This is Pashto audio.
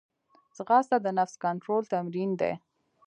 ځغاسته د نفس کنټرول تمرین دی